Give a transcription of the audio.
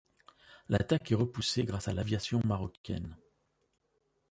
L'attaque est repoussée grâce l'aviation marocaine.